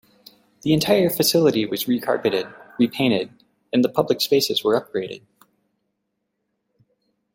The entire facility was re-carpeted, repainted and the public spaces were upgraded.